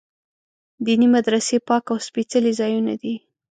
دیني مدرسې پاک او سپېڅلي ځایونه دي.